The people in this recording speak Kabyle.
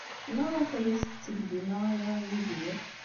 Maɣef ay as-tetteg dima aya i Yidir?